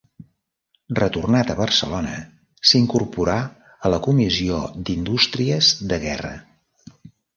Retornat a Barcelona, s'incorporà a la Comissió d'Indústries de Guerra.